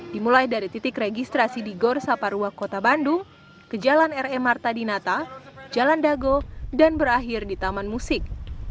dimulai dari titik registrasi di gor saparua kota bandung ke jalan re marta dinata jalan dago dan berakhir di taman musik